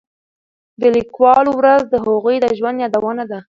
د لیکوالو ورځ د هغوی د ژوند یادونه ده.